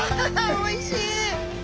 おいしい！